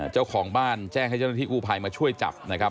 เจ้าของบ้านแจ้งให้เจ้าหน้าที่กู้ภัยมาช่วยจับนะครับ